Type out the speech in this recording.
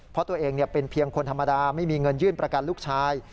เพราะตัวเองเป็นเพียงคนธรรมดาไม่มีเงินยื่นประกันลูกชาย